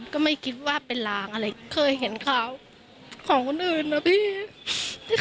ก็ไม่คิดว่าเป็นลางอะไรเคยเห็นข่าวของคนอื่นนะพี่